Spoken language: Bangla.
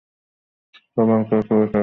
তিনি ভারতীয় সিভিল সার্ভিসে প্রবেশ করেন।